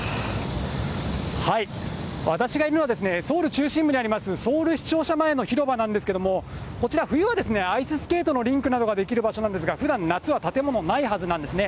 私がいるのは、ソウル中心部にあります、ソウル市庁舎前の広場なんですけども、こちら、冬はですね、アイススケートのリンクなどが出来る場所なんですが、ふだん、夏は建物ないはずなんですね。